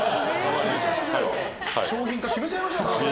商品化決めちゃいましょうか。